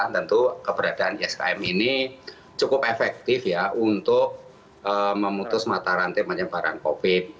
tentu keberadaan sikm ini cukup efektif untuk memutus mata rantai penyebaran covid sembilan belas